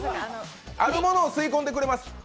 あるものを吸い込んでくれます。